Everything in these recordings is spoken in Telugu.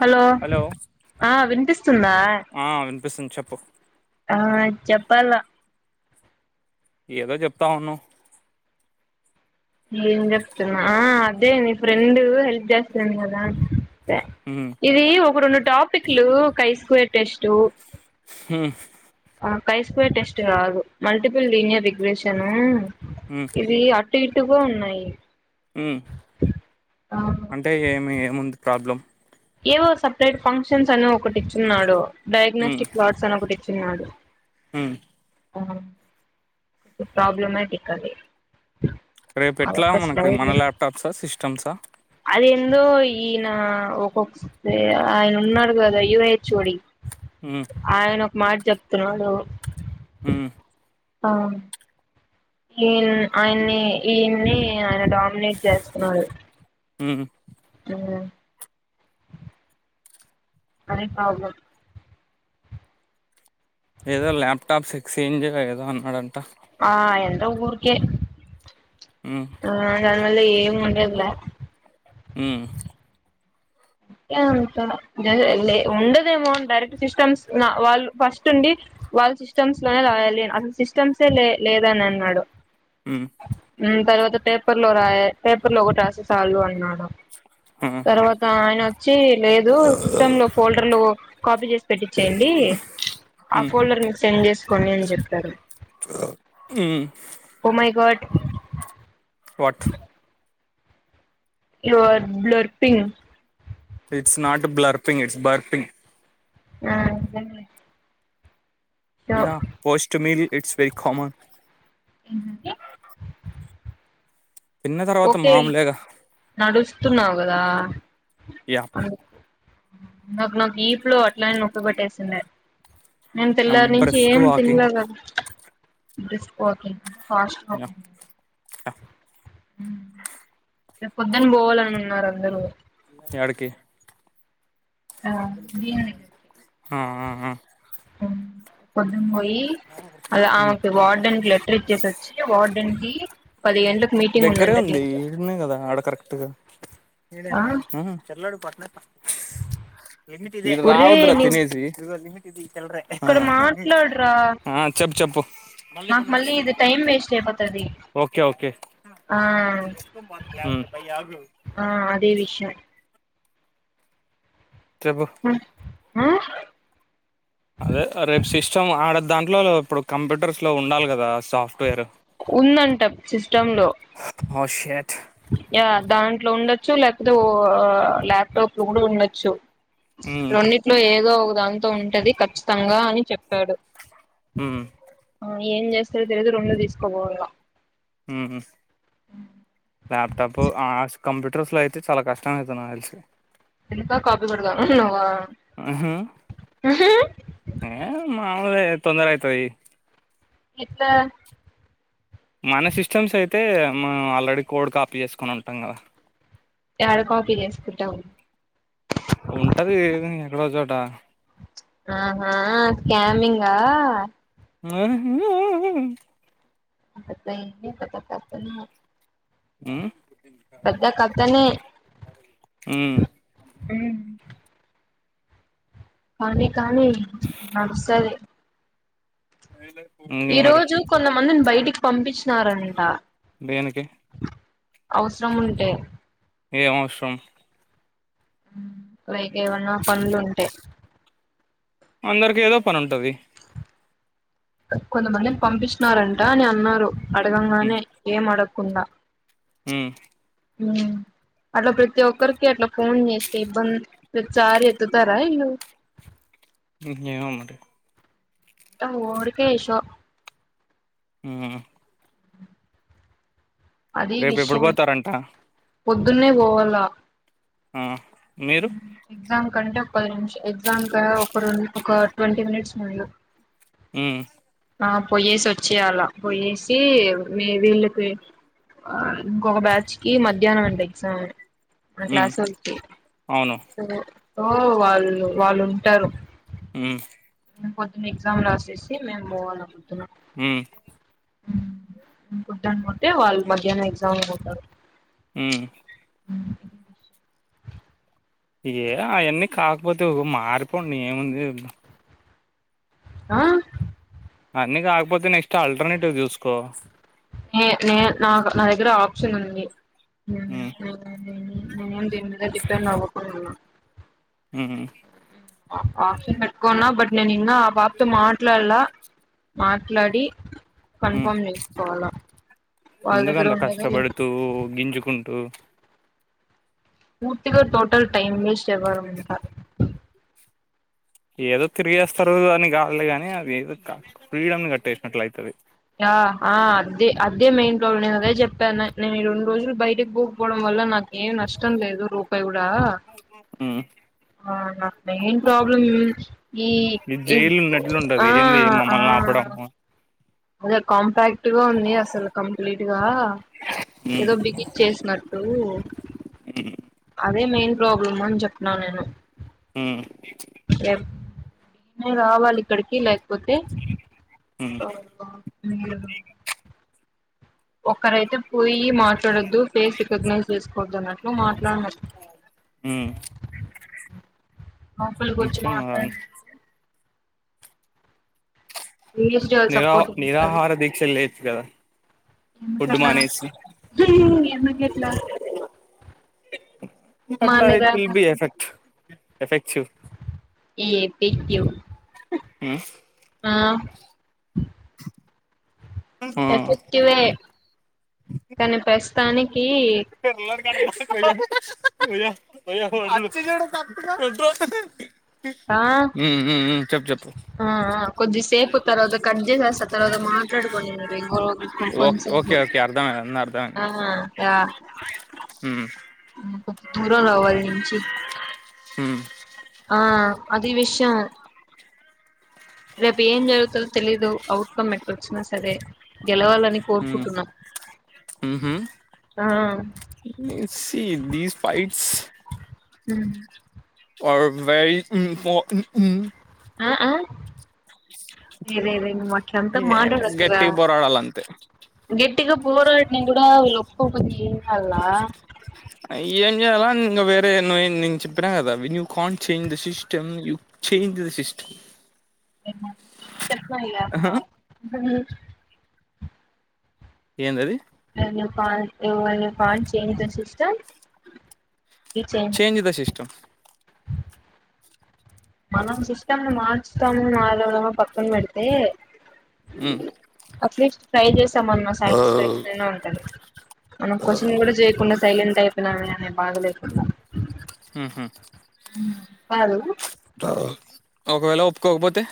హలో ఆ వినిపిస్తుందా పిసిం చెప్పు ఆ చెప్పాలా ఏదో చెప్తా ఉన్న ఏం చెప్తున్నా అదే నీ ఫ్రెండు హెల్ప్ చేస్తాను కదా హ్మ్ ఇది ఇప్పుడున్న టాపిక్లు కై స్క్వేర్ టెస్టు మ్ ఆ కై స్కయర్ టెస్ట్ కాదు మల్టిపుల్ లీనియర్ రిగ్రెషన్ హ్మ్ ఇది అ టుగొ ఉన్నాయి మ్ ఆ అంటే ఏమి ముందు ప్రాబ్లం ఏవో సపరేట్ ఫంక్షన్స్ అని ఒకటి ఇచ్చున్నాడు డైగ్నోష్టిక్స్ లాట్స్ అని ఒకటి చినాడు మ్మ్ ఆ ఈ ప్రాబ్లమాటిక్ అది రేపు ఎట్లా అదొక మనకి మన ల్యాప్టాప్స్ ఆ సి తమ్స్ ఆ అది ఎందో ఈయన ఒకొక్ ఆయన ఉన్నాడు కదా ఈవో హెచ్ఓడి హ్మ్ ఆయన మార్ చెప్తున్నాడు మ్మ్ ఆ ఈన్ ఆయన్ని ఈయన్ని ఆయన డామినేట్ చేస్తున్నాడు హ ఆ అదే కా ఏదో ల్యాప్టాప్ సిక్స్ ఇంజ్ ఏదో అన్నాడంట ఆ ఎంత వురికే హ్మ్ ఆ దాని మళ ఏ ఇ ఉంటదుల హమ్ అే అంత ఉండదేమో డైరెక్ట్ సిస్టమ్స్ వాళ్ళు ఫస్ట్ ఉండి వాళ్ళు సిస్టమ్స్ లోనే రాయాలి అసలు సిస్టమ్సే లే లేదని అన్నాడు హ తర్వాత పేపర్ లో రా పేపర్ లో ఒకటి రాసి చాలు అన్నారు ఆ తర్వాత ఆయన వచ్చి లేదు సిస్టమ్ లో ఫోల్డర్లు కాపీ చేసి పెట్టించేయండి ఆ హ్మ్ ఫోల్డర్ మీకు సెండ్ చేసుకోండి అని చెప్పారు హ్మ్ my god what you are బ్లర్పిగ్ it's not blurping it's burping ఆ yeah post meal it's very common ఎడి తిన్న తర్వాత ఓకే మామూలేగా నడుస్తున్నావు కదా ఇ నాకు నాకు ఈప్ లో అట్లని నొక్కు పెట్టేసింది నేను ఐ యామ్ తెల్లారి నుంచి బ్రిస్క్ ఏం వాకింగ్ తినలే కదా స్క కాస్ ఆ రేపు పొద్దుని పోవాలని ఉన్నారు అందరూ అడికే ఆ దీని దగ్గరికి అ కొద్దం పోయి అ ఆమెకు వార్డెన్ క లెటర్ ఇచ్చేసి వచ్చి వార్డెన్ కి పది గంలకు మీటింగ్ దగ్గరే ఉందం ఉంది దీట్ ఈడనే కదా ఆడ కరెక్ట్గా ఒరే రావద్ర నీవు తినేసి ఇది ఇక్కడ ల మాట్లాడరా చెప్పు చెప్పుకేఓకే నాకు మళ్ళీ ఇది టైం వేస్ట్ అయిపోతది ఆ ఆ అదే విషయం రబు ఆ అదే రేపు సిస్టమ్ ఆడ దాంట్లో ఇప్పుడు కంప్యూటర్స్ లో ఉండాలి కదా సాఫ్ట్వేర్ ఉందంటం సి హో షట్ యా దాంట్లో ఉండొచ్చు లేకపోతే ఓ ల్యాప్టాప్ లో కూడా ఉండొచ్చు ఉమ్ రెండిట్లో ఏదో దాంతో ఉంటది కఖచ్చితంగా అని చెప్పాడు హ్మ్ ఏం చేస్తారో తెలియదు రెండు తీసుకోపోవాల్లా మ్మ్ హ్మ్ ల్యాప్టాప్ ఆస్ కంప్యూటర్స్ లో అయితే చాలా కష్టం అవుతున్నే నాకు తెలిసి ఇంకా కాపీ కొడుదామని నువ్వు అహ్ ఏ మా మామూలే తొందర అయితది ఎట్లా మన సిస్టమ్స్ అయితే మనం ఆల్రెడీ కోడ్ కాపీ చేసుకొని ఉంటాం కదా. ఎడ కాపీ చేసుకుంటావ్ ఉంటది ఇవిదంగా ఎక్కడో చోట. ఆహ్ హా స్కమింగా ఆహ్ [unintelligible] [inaudible] ఉమ్ పెద్ద కత్తనే కానీ కానీ నడుస్తది ఏయ్లె ఈ రోజు కొంతమందిని బయటికి పంపించినారంట దేనికి అవ్స్రం ఉంటే ఏం అవస్రం బయట ఏమన్నా పనులుంటే అందరికి ఏదో పని ఉంటది. కొంతమందిని పంపిచిన్నారంట అని అన్నారు. అడగంగానే ఏం అడక్ కున్నా ఉహ్ ఉహ్మ్ అట్లా ప్రతి ఒక్కరికి అట్లా ఫోన్ చేస్తే ఇబ్బంద్. ప్రతిసారి ఎత్తుతారా ఈల్లు ఏమో మరి తం వొడికే షో ఉహ్మ్ అది రేపు ఎప్పుడు విషయం పోతారంట పొద్దున్నే పోవాల్ల ఆహ్ మీరు ఎగ్జామ్ కంటే ఒక పది నిమిషా అ ఎగ్జామ్ ఒక రెం ఒక ట్వంటీ మినిట్స్ ముందు. ఉహ్ ఆ పోయేసి వచ్చేయాల పోయేసి. వీళ్ళకి ఆ ఇంకొక బ్యాచ్ కి మధ్యాన్నాం అంట ఎగ్జామ్. ఇప్పుడ హ్మ్ క్లాసొల్కి అవును ఆహ్ ఓ వాళ్ వాళ్ళు ఉంటారు. ఉమ్ పొద్దున ఎగ్జామ్ రాసేసి మేము బోవాల్ల పొద్దున. ఉమ్ ఉమ్ ఉహ్ వద్దనుకుంటే వాళ్ మధ్యానామే ఏ జామీకుంటారు ఉహ్మ్ ఏ అయాన్నీ కాకపోతే ఓ మారిపోనీ ఏముంది. ఆ అన్నీ కాకపోతే నెక్స్ట్ ఆల్టర్నేటివ్ చూసుకో నే నే నా నా దగ్గర ఆ మిషన్ ఉంది హ్మ్ [unintelligible] మెయిన్ దీనిమీద డిపెండ్ అవ్వకూడదు హ్మ్ ఆశల్ పెట్టుకోన్నా బట్ ననీ నిన్న ఆ పాప్తో మాట్లాడలా మాట్లాడి హ్మ్ కన్ఫామ్ చేసుకోవాల ఎందుకంత కష్టపడుతూ గింజుకుంటూ పూర్తిగా టోటల్ టైం వేస్ట్ ఎవ్వరం అంత ఏదో తిరిగేస్తారు అని కాదులేగాని అది ఏదో ఇక ఫ్రీడమ్ని కట్టేసినట్లు అయితది. ఆ ఆ అద్దీ అద్దేమెయిన్ ఇగో నేను అదే చెప్తన్న నేను ఈ రెండు రోజులు బయటకు పోకపోవడం వల్ల నాకు ఏం నష్టం లేదు రూపాయి కూ ఇదా ఉమ్ నా మెయిన్ ప్రాబ్లం ఈ ఇది జైలు ఉన్నట్లుంటది ఆ ఏంది ఆ మమ్మల్ని ఆపడం ఉమ్ అదే కాంపాక్ట్ గా ఉంది అసలు కంప్లీట్ గా ఆ ఏదో బిగిచ్చేసినట్టు హ్మ్ అదే మెయిన్ ప్రాబ్లం అని చెప్న నేను హ్మ్ నేను రావాలి ఇక్కడికి లేకపోతే హ్మ్ మీరు ఒక్కరైతే పోయి మాట్లాడొద్దు ఫేస్ రికగ్నైజ్ చేసుకోవద్దు అన్నట్లు మాట్లాడినం ఉమ్ లోపలికి వచ్చి నిత్యం మాట్లాడినటు వీడియోస్ చాలా నిరా సపోర్ట్ ఉంటాది నిరాహార దీక్షలు చేయొచ్చు కదా ఫుడ్ ఎందుకట్ల మానేసి ఉహ్ ఎందుకట్ల అట్లా it will be [unintelligible] effect effective ఈ ఎపిక్లు ఉమ్ ఆ ఉమ్ ఉమ్ ఎఫెక్టివే కానీ ఫస్ట్ కానీ కీ హత్య చేయటంతప్పుగా ఆ ఆఆ కొద్దిసేపు తర్వాత కట్ చేసేస్తాను తర్వాత మాట్లాడుకోండి మీరు ఇంకొది కొంచెం ఓకే ఓకే సేపు ఓకే అర్థమైంది అర్థమైంది ఉమ్ దూరాళ్ల నుంచీ ఉమ్ ఆ అది విషం రేపు ఏం జరుగుతదో తెలీదు అవుట్కమ్ ఏట్లోచ్చినా సరే గెలవాలని ఉమ్ కోరుకుంటున్నాం ఊహుం ఆ let see these fights um are very um oh um um ah ah యె రే రే నువ్వు అట్లా అంత ఏం లే, మాట్లాడుకురా గట్టిగా పోరాడాలి అంతే గట్టిగ పోరాడినా కూడా వీళ్ళు ఒప్పుకోకపోతే ఏం చేయాల ఏంచేయాల ఇంగ వేరే నే నేను చెప్పిన కదా when you can't change the system you change system చెప్ప వే ఇగ అట్ల ఏందది when you can't you when you can't change the system change the system మనం సిస్టంను మార్చుతాము మారామో పక్కన పెడితే ఉమ్ అట్లీస్ట్ ట్రై చేస్ తమన్న సాటిస్ఫాక్షన్ అయినా ఉంటది మనం క్వశ్చన్ కూడా చేయకుండ సైలెంట్ అయిపోయినామే అనే బాధ లేకుండ ఊహుం ఉమ్ కాదు ఒకవేళ ఒప్పుకోకపోతే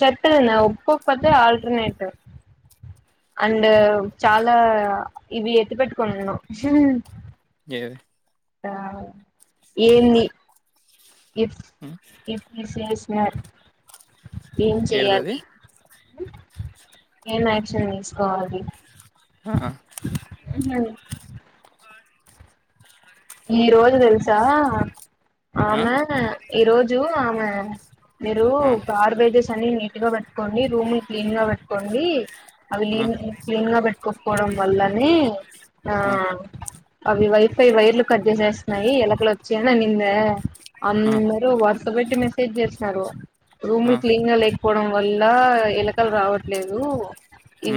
చెప్పాన ఒప్పుకోకపోతే ఆల్టర్నేటివ్ అండ్ చాలా ఇవి ఎత్తి పెట్టుకున్న ఏవి ఆ ఏంది ఇఫ్ ఉమ్, ఇఫ్ విసేస్ యార్ ఏం ఏడిది అది చెయాలి ఏం యాక్షన్ తీసుకోవాలి ఆ ఉహు ఈ రోజు తెలుసా ఆమె ఈరోజు ఆమె మీరు ఆ, గార్బేజెస్ అన్ని నీట్గా పె పెట్టుకోండి రూమ్ ను క్లీన్ గా పెట్టుకోండి అవి ఆ, లీన్ క్లీన్ గా పెట్టుకోకపోవడం వల్లనే ఆ అవి వైఫై వైర్లు నేస్తున్నాయి ఎలకలు వచ్చి అని అనిందే ఆ, అందరు వరస పెట్టి మెసేజ్ చేస్తూ సరు ఆ, రూములు క్లీన్ గా లేకపోవడం వల్ల ఎలకలు రావట్లేదు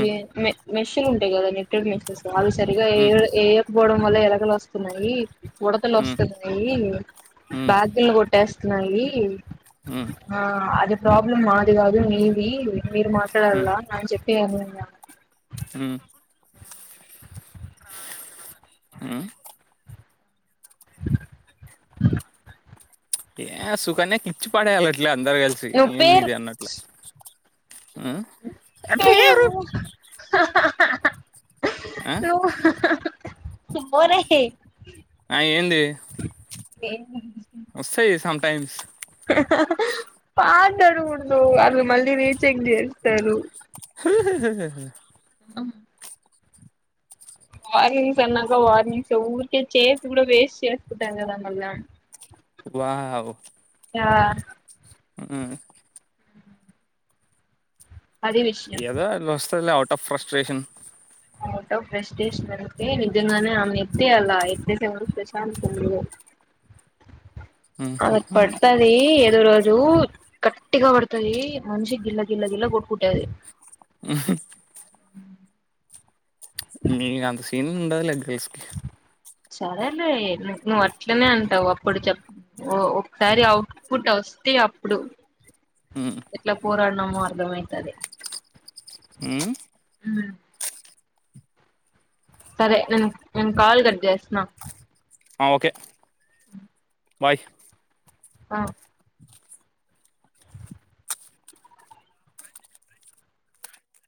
ఉమ్, మే మెషన్ ఉంటాయి కదా మీ త్రి ప్లేస్సెస్ అ సరిగా ఏ ఉమ్, ఏ పోవడం వల్ల ఎలకలు వస్తున్నాయి ఉడతలు ఉమ్, వస్తున్నాయి ఉమ్, బ్యాగలు కొట్టేస్తున్నాయి ఉమ్, ఆ అది ప్రాబ్లం మాది కాదు మీది మీరు ఉమ్, మాట్లాడలా అని చెప్పే అనున్నా ఉమ్, ఉమ్. ఏ సుకన్యయాకిిచ్చు పడేయ ఇట్లా అందరు కలిసి నువ్వు ఏంది పేరు ఇది అన్నట్లు ఉం అట్లియ్యారు పేరు సుబ్బో రాహే ఆ ఏంది ఏమై వస్తాయి సమ్ టైమ్స్ పాట్లాడకుడదు అవి మళ్ళీ రీచెక్ చేస్తారు అ వార్నింగ్స్ అన్నాక వార్నింగ్స్ ఊరికే చేసి కూడా వేస్ట్ చేసుకుంటాం కదా మళ్ళా వావ్ ఆ ఉం అది విషయం ఏదో అట్లా వస్తదల అ ఫ్రస్ట్రేషన్ ప్రస్ట్రెషన్ అయితే నిజంగానే అమ్ ఎత్తే అలా ఎత్తతే సె ప్రశాంతం ఇగ అమే పడుతది ఏదో రోజు జు కట్టిగా పడుతది మనిషి గిల్ల గిల్ల గిల్ల కొట్కుంటది ఉహుం నీ అంత సీన ఉండదు గ్రీసుకి సరేలే నువ్వు అట్లనే అంటావు అప్పుడు చె ఒకసారి అవుట్పుట్ వస్తే అప్పుడు ఎట్లా పోరాడునామో అర్థంమయితది ఉం సరే న నేన్ కాల్ కట్ చేస్తున అ ఓకే బాయ్ ఆ